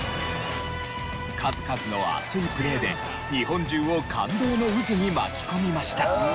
数々の熱いプレーで日本中を感動の渦に巻き込みました。